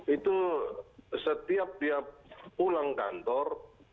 itu setiap dia pulang kantor